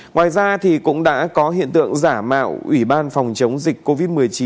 ngoài ra thì cũng đã có hiện tượng giả mạo ủy ban phòng chống dịch covid một mươi chín